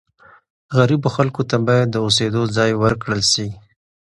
غریبو خلکو ته باید د اوسېدو ځای ورکړل سي.